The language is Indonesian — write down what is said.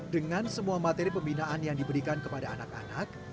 dengan semua materi pembinaan yang diberikan kepada anak anak